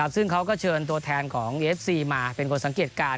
ซึ่งเขาก็เชิญตัวแทนของเอฟซีมาเป็นคนสังเกตการณ์